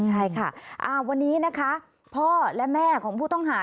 ใช่ค่ะวันนี้นะคะพ่อและแม่ของผู้ต้องหา